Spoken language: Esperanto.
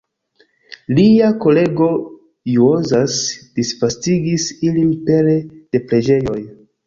Lia kolego Juozas disvastigis ilin pere de preĝejoj.